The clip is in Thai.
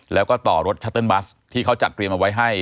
แล้วก็ต่อรถชัตเติ้ลบัสที่เขาจัดเตรียมเอาไว้ให้